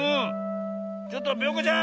ちょっとぴょんこちゃん。